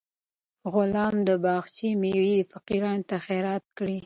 غلام د باغچې میوه فقیرانو ته خیرات کړه.